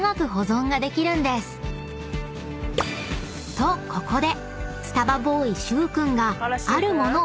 ［とここで］